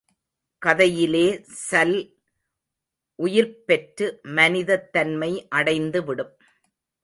கதையிலே சல் உயிர்ப்பெற்று மனிதத் தன்மை அடைந்துவிடும்.